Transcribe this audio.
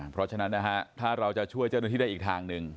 เพราะฉะนั้นนะฮะถ้าเราจะช่วยเจ้าหน้าที่ได้อีกทางหนึ่ง